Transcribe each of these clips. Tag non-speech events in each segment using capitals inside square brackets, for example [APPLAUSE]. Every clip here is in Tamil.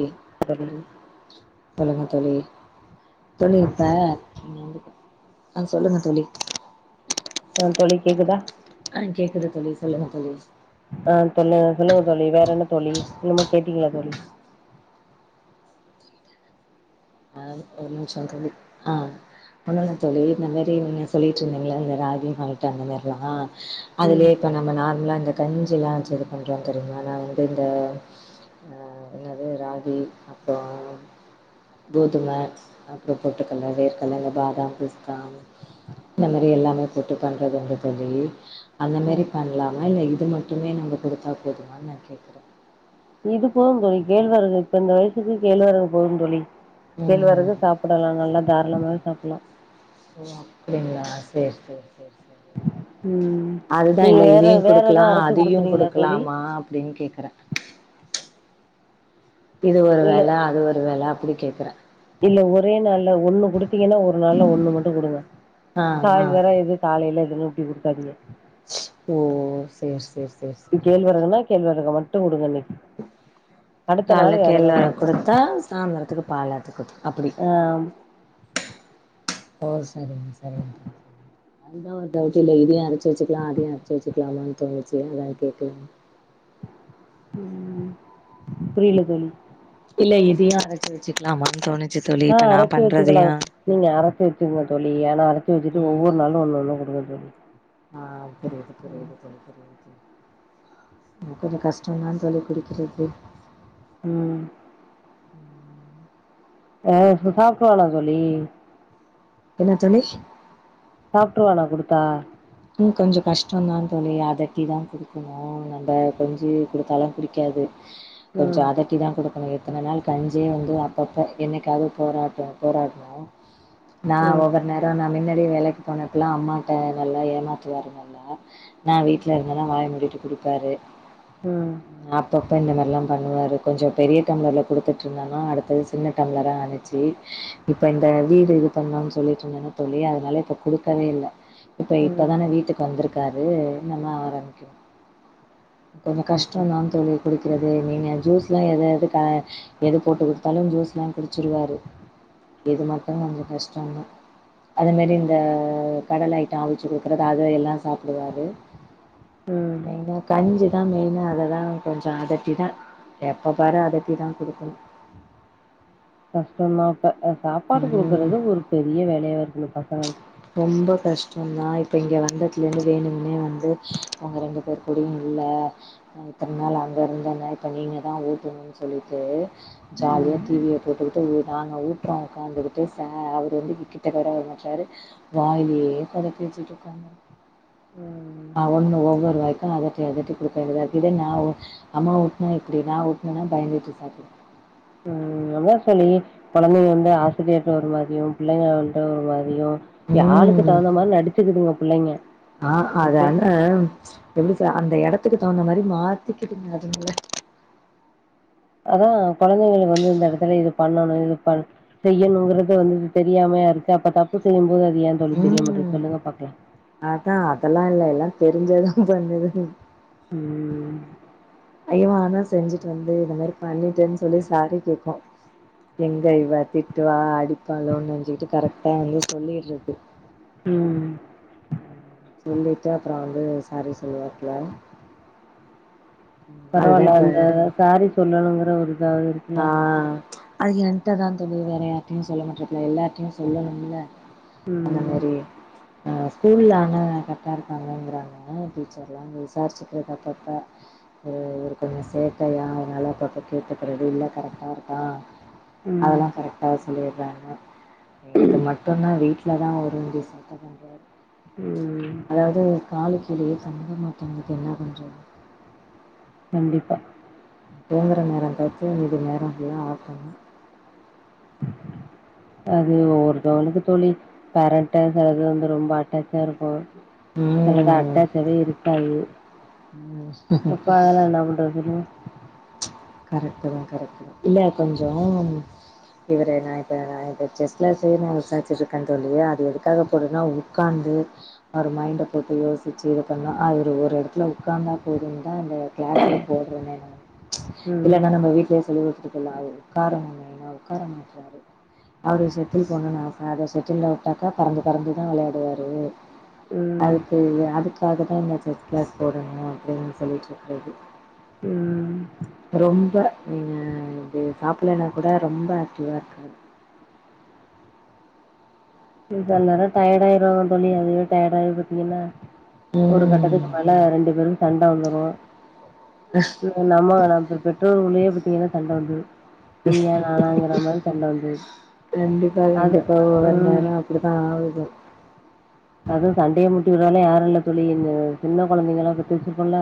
ம் தோழி சொல் சொல்லுங்க தோழி தோழி இப்ப ஆ சொல்லுங்க தோழி ஆ தோழி கேக்குதா ஆ கேக்குது தோழி சொல்லுங்க தோழி ஆ தொல்லு சொல்லுங்க தோழி வேற என்ன தோழி இன்னுமோ கேட்டீங்களா தோழி அது ஒரு நிமிஷோ தோழி ஆ ஒன்னுல்லா தோழி இந்த மேரி நீங்க சொல்லிட்டு இருந்தீங்களா அ ராகிமால்ட்டு அந்த மேரில்லா ம் அதிலயே இப்ப நம்ம நார்மலா இந்த கஞ்சி எல்லா வச்சி இது பண்றோ தெரியுமா நா வந்து இந்த ஆ இன்னது ராகி அப்போ கோதும அப்புறோ பொட்டுக்கல்ல வேர்கல்ல இந்த பாதாம் பிஸ்தா இந்த மாரி எல்லாமே போட்டு பண்றது உண்டு தோழி அந்த மேரி பண்ணலாமா இல்ல இது மட்டுமே நம்ம குடுத்தா போதுமான் நா கேக்குறே இது போது தோழி கேழ்வரகு இப்ப இந்த வயசுக்கு கேழ்வரகு போது தோழி ம். கேழ்வரகு சாப் ப்படலா நல்லா தாராளமா சாப்பிலா ஓ அப்டிங்களா சேரி சேரி சேரி சே ம் நீங்க வேற இதையும் வேற எதா குடுக்கலாம், அரச்சு அதையும் குடுக்குறீங்ளா தோழி குடுக்கலாமா அப்டின்னு கேக்குறேன். இது ஒரு இல்ல வேல அது ஒரு வேல அப்டி கேக்கறே இல்ல ஒரே நாள்ல ஒண்ணு குடுத்தீங்கன்னா ஒரு நாள்ல ஒண்ணு மட்டு குடுங்க ஆ, ஆ. சாய்ந்தறோ எது காலைல எதுமே ஊத்தி குடுக்காீங்க ஓ சேரி சேரி சே கேழ்வறகுன்னா கேழவரக மட்டு குடுங்க இன்னைக் காலல கேள் வரகு மாத்து குடுத்தா சாயந்தரத்துக்கு பால் ஆத்தி குத் அப்புடி ஆ ஓ சரிங்க சரிங்க [INAUDIBLE] அத்தா ஒரு டவுட் இல்ல இதையு அரச்சு வெச்சுக்கலா அதையு அரச்சு வெச்சுக்கலாமான்னு தோனுச்சு அதா கேக்கலா புரில தோழி இல்ல இதையு அரச்சு வெச்சுக்கலாமான் தோனுச் ஆ அறச்சு வெச்சுக்கலா நீங்க அரச்சு வெச்சுங்க தோழி ஆனா அரச்சு வெச்சுட்டு ம் ஒவ்வொரு நாளு ஒன்னு ஒன்னு குடுங்க தோழி ஆ புரிது புரிது [INAUDIBLE] ஆ கொஞ்சோ கஷ்டோந்தா தோழி குடிக்கிறது ம் ஆ சாப்ட்ருவான தோழி என்ன சொன்னே சாப்ட்ருவனா குடுத்தா ம் கொஞ்சோ கஷ்டோந்தா தோழி அதட்டி தா குடுக்கணு நம்ப கொஞ்சி குடுத்தாலா குடிக்காது ஒரு ம் ஜாத ட்டிதா குடுக்கணு எத்தன நாள் கஞ்சியே வந்து அப்பப்ப என்னைக்காவது போராட்டோ போராடனு நா ம் ஒவ்வொரு நேரோ நா மின்னடி வேலைக்கு போனப்பல்லா அம்மாட்ட நல்ல ஏமாற்றுவாருங்கல்லா நா வீட்ல இருந்தனா வாய மூடிட்டு குடிப்பாரு ம் அப்பப்ப இந்த மாரி எல்லா பண்ணுவாரு கொஞ்சோ பெரிய டம்ளர்ல குடுத்துட்ருந்தனா அடுத்தது சின்ன டம்ளரா ஆனு ச்சு இப்ப இந்த வீடு இது பண்ணும் சொல்லிட்ருந்தன்னா தோழி அதனால இப்ப குடுக்கவே இல்ல இப்ப இப்பதான ம் வீட்டுக்கு வந்துருக்காரு நம்ம ஆரம்மிக்கு கொஞ்சோ கஷ்டோந்தா தோழி குடிக்கறது நீங்க ஜூஸ்லா எத எது அ எது போட்டு குடுத்தாலு ஜூஸ்லா குடுச்சுருவாரு இது மட்டு கொஞ்சோ கஷ்டோந்தா அது மாரி இந்த கடல் ஐட்டோ ஆவு ச்சு குடுக்கறது அது எல்லா சாப்புடுவாரு ம் மெய்னா கஞ்சிதா மெய்னா அததா கொஞ்சோ அதட்டிதா எப்ப பாரு அதட்டி தா குடுக்கனு கஷ்டோந்தா அப்ப சாப்பாடு ம் குடுக்கறது ஒரு பெரிய வேலையா இருக்குது இந்த பசங்களுக்கு ரொம்ப கஷ்டோந்தா இப்போ இங்கே வந்தத்துலருந்து வேணுனே வந்து அவங்க ரெண்டு பேரு குடியு இல்ல அ இத்தன் நாள் அங்க இருந்த என்ன இப்ப நீங்கள் தா உத்தணுன் சொல்லிட்டு ஜாலியா டி ம் விய போட்டுகிட்டு ஊ நாங்க ஊ அப்ரோ உக்காந்துகிட்டு சா அவுரு வந்து இட்லி கட விடமாற்றாரு வாய்லயே கொர பேசிட்ருக்காங்க ம் அவனுங்க ஒவ்வொருவாய்க்கு அத ட்டி அதட்டி குடுக்க வேண்டிதா இருக்கு இதே நா ஊ அம்மா ஊட்னா இப்டி நா உட்னனா பயந்துட்டு சாப்டுகு ம் அதா தோழி கொழந்தைங்க வந்து ஆசிரியர்ட்ட ஒரு மாரியு பிள்ளைங்க வந்ட்டு ஒரு மாரியு யாளுக்கு ம் தகுந்த மாரி நடிச்சுக்குதுங்க புள்ளைங்க ஆ அதான எப்டி சொல்ல அந்த எடத்துக்கு தகுந்த மாரி மாத்திக்கிதுங்க அதுங்க அதா கொழந்தைங்களுக்கு வந்து இந்த எடத்துல இது பண்ணணு இது பண் செய்யணுங்கறத வந்து தெரியாமையா இருக்கு அப்ப தப்பு செய்யும்போது அது ஏ தோழி தெரிய மாட்டது ம் சொல்லுங்க பாக்கலா அதா அதெல்லா இல்ல எல்லா தெரிஞ்சதா பண்ணுது ம் ஐயோ ஆனா செஞ்சுட்டு வந்து இந்த மாரி பண்ணிட்டேன்னு சொல்லி சாரி கேக்கூ எங்க இவ திட்டுவா அடிப்பாலோனு நெனச்சக்கிட்டு கரெக்டா வந்து சொல்லிட்றது ம் ம் சொல்லிட்டு அப்ற வந்து சாரி சொல்லுவாப்புல அதுதா பரவால்ல அந்த இப்ப சாரி சொல்லணுங்கிற ஒரு இதாவு இருக்கு ஆ அது என்ட்டதா தோழி வேற யாரிட்டயையு சொல்ல மாட்ராப்புல எல்லார்ட்டயையு சொல்லணும்ல அந்த ம். மாரி ஆ ஸ்கூல்ல ஆன கறக்டா இருப்பாங்கங்கறாங்க டீச்சர் எல்லா அங்க விசாரிச்சுட்டு அப்பப்ப ஓ ஒரு கண்ணு சேகக்கையா அதனால பக்கத்து விட்டு [UNINTELLIGIBLE] ஒரு இது இல்ல கரெக்ட்டா இருக்கா ம். அதெல்லா கரெக்டா சொல்லிறாங்க இது மட்டுந்தா வீட்லதா உஞ்சு சத்த பண்றாரு ம். அதாவது காலுக்கு கிழயே தம்ப மாத்தங்களுக்கு என்ன பண்றது கண்டிப்பா தூங்குற நேர பாத்து இது நேர எல்லா பாப்பாங்க [INAUDIBLE] அது ஒவ்வொருத்தவங்களுக்கு தோழி பேரண்டா சொிலது வந்து ரொம்ப அட்டாக்கா இருக்கு சிலத ம் அட்டாச்சாவே இருக்காது ம் எப்ப அதெல்லா என்ன பண்றதுன்னு கரெக்ட தா கரெக்ட் தா இல்ல கொஞ்சம் இவரை நா இப்ப நான்ப்ப செஸலா செய் நா விசாரிச்சுட்டு இருக்கே தோழி அது எதுக்காக போடுனா உக்காந்து ஒரு மைண்டை போட்டு யோசிச்சு இது பண்ணு அ ஒரு எடத்துல உக்காந்தா போதுந்தா அந்த க்ளாஸே போடுறனேன்னு ம். இல்லன்னா நம்ம வீட்லயே சொல்லி வச்சிருக்கோல அது உக்காரனு மெயினா உக்கார மாறாரு அவர் ஷட்டில் பண்ணனு ஆச அத ஷட்டிலில் விட்டாக்கா பறந்து பறந்து தா விளையாடுவார் ம். அதுக்கு அதுக்காகதா என்ன சன் க்ளாஸ் போடனு அப்டின்னு சொல்லிட்ருக்கிறது ம் ரொம்ப நீங்க இது சாப்பட்லன்னா கூட ரொம்ப ஆக்டிவவ இருக்க நே டயர்டா ஆயிருவாங்க தோழி அதுவே டர்ட ஆயி பாத்தீங்கன்னா ஒரு ம். கட்டத்துக்கு மேல ரெண்டு பேரு சண்ட வந்துரு [INAUDIBLE] நம்மா நா இப்ப பெற்றோர் உள்ளே பாத்தீங்கன்னா சண்ட வந்துரு நீயா நானாங்கற மாரி சண்ட வந்தது அது ம் இப்படி தா ஆகுது அதுவு சண்டையை மூட்டி விர வேல யாரு இல்ல தோழி சின்ன கொழந்தைங்களா பெத்து வச்சுருக்கோல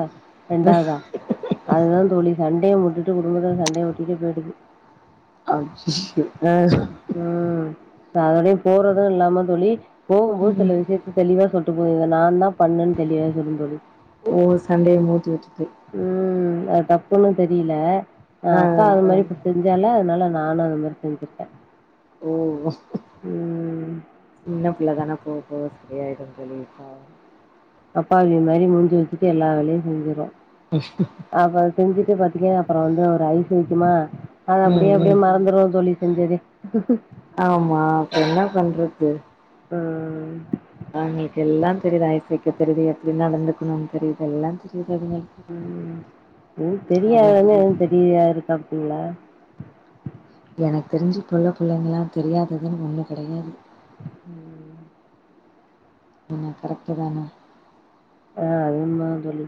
ரெண்டாவதா அதுதா தோழி சண்டையை முட்டுட்டு குடும்பத்தை சண்டையை மூட்டிட்டு போயிடுது அச்சசோ அ ம் அவர போறது இல்லாம தோழி போகும்போது ம். விஷயத்துத்த தெளிவா சொல்ட்டு போது இவ நான்தா பண்ணன் தோழி [UNINTELLIGIBLE] தோழி ஓ! சண்டைய மூட்டி விட்டுட்டு. ம் அது டப்புன்னு தெரிய்ல ஏ ஆ, அக்கா அது ஆ. மாரி இப்ப செ செஞ்சால அதனால நானு அது மாரி செஞ்சுர்க்க ஓ ம் ன்ன பிள்ளதான போ போக சரியாய்டு தோழி அப்பாவி மாரி மூஞ்ச வச்சுட்டு எல்லா வேலையு செஞ்சிரு அப்பறொ செஞ்சுட்டு பாத்தீங்கனா அப்பறொ வந்து ஒரு ஐஸ் வெக்கிமா அது அப்டே ம், அப்டே ம். மறந்துரு தோழி செஞ்சதே ஆமா அப்ப என்னா பண்றது ஆ ஆவ்ங்களுக்கு எல்லா தெரியிது ஐஸ் வெக்க தெரியிது எப்டி நடந்துக்கணூன் தெரியிது எல்லா தெரியிது அதுங்களுக் ம் [UNINTELLIGIBLE] அப்டிங்ளா எனக் தெரிஞ்சி இப்ப உள்ள புள்ளைங்களா தெரியாததுன் ஒன்னு கடையாது ம் என்ன கரெக்ட்டு தான ஆ அது உண்மதா தோழி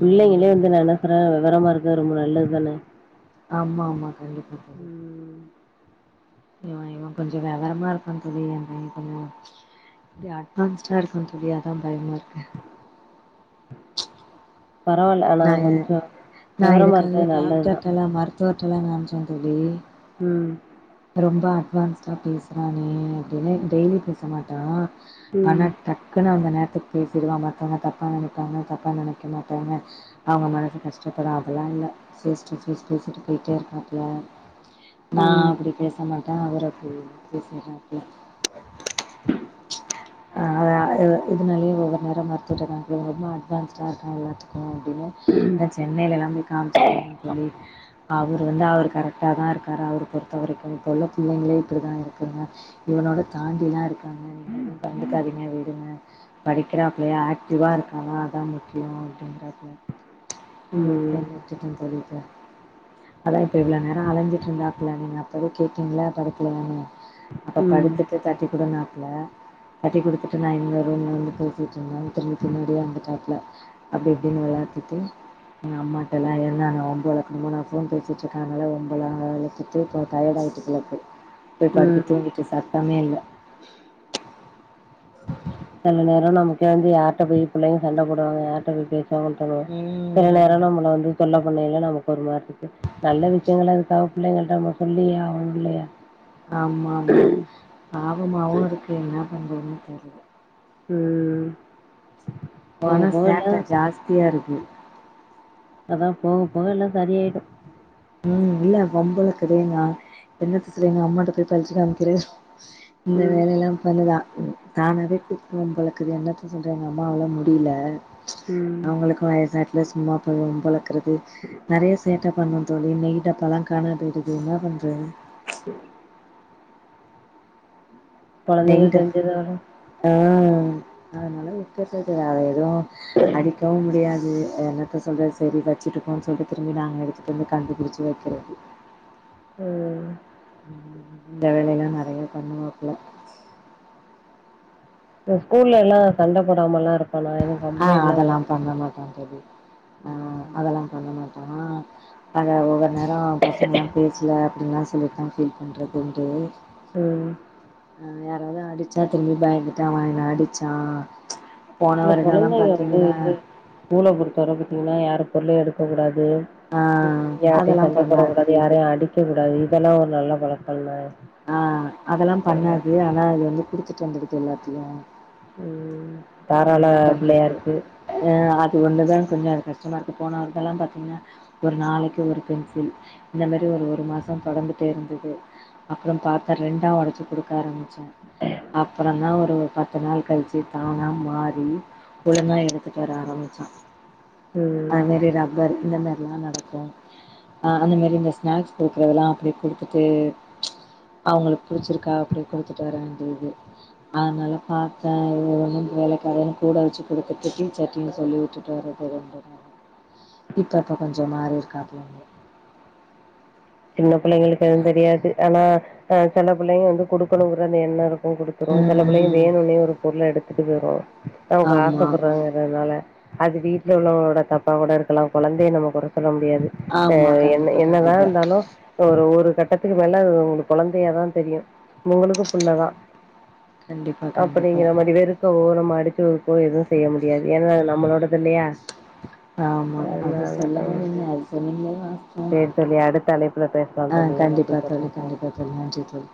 பிள்ளைங்களே வந்து நல்லா [UNINTELLIGIBLE] வெவரமா இருக்குறது ரொம்ப நல்லது தான ஆமா ஆமா கண்டிப்பா கண்டிப்பா ம். இவ இவ கொஞ்சொ வெவரமா இருக்கா தோழி என்ன கொஞ்சொ இப்டி அட்வான்ஸ்டா இருக்கா தோழி அதா பயமா இருக்கு பரவால்ல ஆனா நா கொஞ்சம் நா விவரமா இருக்கது இதுக்காகவே நல்லதுதான். டாக்டர்டல்லா மருத்துவர்டல்லா காம்ச்ச தோழி ம் ரொம்ப அட்வான்ஸ்டா பேசுறானே அப்டின்னு டெய்லி பேச மாட்டா ஆனா ம். ட க்குனு அந்த நேரத்துக்கு பேசிருவா மத்தவங்க தப்பா நெனப்பாங்க தப்பா நெனைக்க மாட்டாங்க அவ்ங்க மனசு கஷ்டப்படு அதுலா இல்ல ஃபேஸ் டூ ஃபேஸ் பேசிட்டு போயிட்டே இருக்காப்ல நா ம். அப்டி பேச மாட்ட அவரு அப்டி பேசிர்றாரு அ அ அ இதுனாலயே ஒரு நேரொ மருத்துவர்ட்ட கம் இவ ரொம்ப அட்வான்ஸ்டா இருக்கா எல்லாத்துக்கு அப்டினு ம் சென்னைலலா போய் காம்ச்சிட்டு வந்த தோழி அவரு வந்து அவர் கரெக்ட்டா தா இருக்காரு அவர பொறுத்தவரைக் இப்போ உள்ள புள்ளைங்களே இப்டிதா இருக்குங்க இவனோட தாண்டிலா இருக்காங்க நீங்க எது கண்டுக் காதீங்க விடுங்க படிக்கிறாப்புளையா ஆக்ட்டிவா இருக்கானா அதா முக்கியோ அப்டின்றாப்புல ம் ஓகே [UNINTELLIGIBLE] தோழி இப்ப அதா இப்ப இவ்ள நேர அழஞ்சிட்ருந்தாப்புல [UNINTELLIGIBLE] ப கேட்டீங்ள படுக்கலையானு அப்ப ம். படுத்துட்டு தட்டி குடுனாப்ல தட்டி குடுத்துட்டு நா இன்னொரு ரூம்ல வந்து பேசிட்ருந்தே திரும்பி பின்னாடியே வந்துடாப்ல அப்டி இப்டினு வெளாத்திட்டு எங்க அம்மாட்டல என்னான வம்பு வளக்கணுமோ நா ஃபோன் பேசிட்ருக்காங்கள வம்பல்லா வளத்துட்டு டயடாய்ட்டு போலர்க்கு போய் படுத்து ம். தூங்கிட்டு சத்தமே இல்ல செல நேரொ நமக்கே வந்து யார்ட்ட போய் பிள்ளைங்க சண்ட போடுவாங்க யார்ட்ட போய் பேசுவாங்கன் தோணு செல ம். நேரோ நம்மள வந்து தொல்ல பண்ணயில்ல நமக்கு ஒரு மார் இருக்கு நல்ல விஷயங்கள் அதுக்கா பிள்ளைங்கள்ட்ட நம்ம சொல்லியே ஆவணு இல்லையா ஆமாமா பாவமாவு இருக்கு என்ன பண்றதுன் தெர்ல ம் பண போக போக எல்லாம் சேட்ட ஜாஸ்தியா இருக்கு இப்பதா போக போக எல்லா சரியாயிடு ம் இல்ல வம்பு வளக்குது எங்க சின்ன வயசுல எங்கம்மாட்ட போய் பறிச்சு காமிக்றே இந்த ம். வேலைல்லா பண்ணுதா தானாவே கூட்டுவா போலாக்குது என்னத்த சொல்றது எங்க அம்மாவாள முடியல ம். அவங்களுக்கு வயசாயிட்டுல சும்மா போவா போலக்குது நெறய சேட்ட பண்ணு தோழி நெய் டப்பாலா காணா பேய்டுது என்ன பண்றது நெய் குழந்தைகள் டப் தெரிஞ்சதோட ஆ அதனால [UNINTELLIGIBLE] அத எதோ அடிக்கவு முடியாது என்னத்த சொல்றது சரி வச்சுட்டுப்போன் சொல்ட்டு திரும்பி நாங்க எடுத்துட்டு வந்து கண்டுபிடிச்சு வைக்கிறது ம் ம் இந்த வேலயெல்லா நெறய பண்ணுவாப்புல இப்ப ஸ்கூல்ல எல்லா சண்ட போடாமல்லா இருப்பானா எது ஆ அதெல்லா பண்ண மாட்டா தோழி ஆ அதெல்லா பண்ண மாட்டா அத ஒவ்வொரு நேரோ பசங்கல்லா பேசல அப்டின்ல்லா சொல்லித்தா ஃபீல் பண்றதுண்டு ம் ஆ யாராவது அடிச்சா திரும்பி பயந்துட்டு அவ என்ன அடிச்சா போன இல்ல வருடோலா கொழந்தைங்க வந்து பாத்தீங்கன்னா ஸ்கூல பொறுத்த வர பாத்தீங்கன்னா யாரு பொருளயு எடுக்க கூடாது ஆ ம் யார்ட்டயு அதெல்லா சண்ட போட பண்ணாது கூடாது யாரையு அடிக்க கூடாது இதெல்லா ஒரு நல்ல பழக்கல்ல ஆ அதெல்லா பண்ணாது ஆனா அது வந்து குடுத்துட்டு வந்துருது எல்லாத்தயு ம் தாராள பிள்ளையா இருக்கு ஆ அது ஒன்னுதா கொஞ்சோ கஷ்டமா இருக்கு போன வருடெல்லா வந்து பாத்தீங்கன்னா ஒரு நாளைக்கு ஒரு பென்சில் இந்த மாரி ஒரு ஒரு மாசம் தொடந்துட்டே இருந்தது அப்றோ பாத்தா ரெண்டா ஒடச்சு குடுக்க ஆரம்ச்சே அப்றோந்தா ஒரு பத்து நாள் கழிச்சு தா அவனா மாறி ஒழுங்கா எடுத்துட்டு வர ஆரம்பிச்சா ம் அது மாரி ரப்பர் இந்த மாரிலா நடக்கு ஆ அந்த மாரி இந்த ஸ்நாக்ஸ் கொடுக்றதெல்லா அப்டி குடுத்துட்டு அவங்களுக் பிடிச்சிருக்கா அப்டி குடுத்துட்டு வர வேண்டியது அதனால பாத்தே ஒ ரெண்டு வேலைக் அதன்னு கூட வச்சு குடுத்துட்டு டீச்சர்ட்டயு சொல்லி விட்டுட்டு வர்றது ரெண்டு ஆ இப்பப்ப கொஞ்சோ மாறி இருக்காப்ளங்க சின்ன பிள்ளைகளுக்கு எதுவு தெரியாது ஆனா அ சில பிள்ளைங்க வந்து குடுக்கணுங்குற அந்த எண்ணோ இருக்கு குடு துரோ சில பிள்ளைங்க ம் வேணுன்னே ஒரு பொருள எடுத்துட்டு போயிரோ நமக்கு ஆமா ஆசைப்படுறாங்கனால அது வீட்ல உள்ளவங்களோட தப்பா கூட இருக்கலா கொழந்தைய நம்ம கொற சொல்ல முடியாது அ ஆமா என் கண்டிப்பா என்னதா கண்டிப்பா இருந்தாலு ஒரு ஒரு கட்டத்துக்கு மேல அது உங்ளுக்கு கொழந்தையாதா தெரியு உங்களுக்கு புள்ளதா கண்டிப்பா கண்டிப்பா அப்டிங்கிற மாரி வெறுக்கவோ நம்ம அடிச்சு ஒதுக்கவோ எதுவு செய்ய முடியாது ஏனா அது ம் நம்மளோடது இல்லையா ஆமா அது அதனால சொல்லுங்க ம். நீங்க அது சொன்னீங்கன்னா சரி தோழி அடுத்த அழைப்புல [UNINTELLIGIBLE] பேசலாம் ஆ தோழி. நன்றி கண்டிப்பா தோழி கண்டிப்பா தோழி நன்றி தோழி